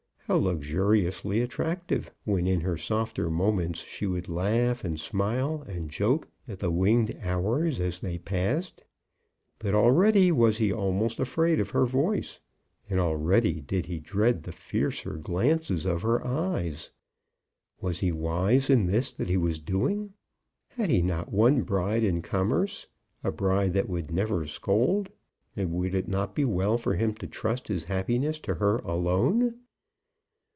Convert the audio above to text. how luxuriously attractive, when in her softer moments she would laugh, and smile, and joke at the winged hours as they passed! But already was he almost afraid of her voice, and already did he dread the fiercer glances of her eyes. Was he wise in this that he was doing? Had he not one bride in commerce, a bride that would never scold; and would it not be well for him to trust his happiness to her alone?